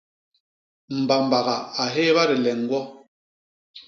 Mbabaga a hééba dileñgwo.